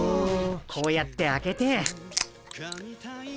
こうやって開けて。